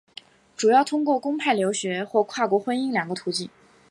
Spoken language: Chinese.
主要通过公派留学或跨国婚姻两个途径。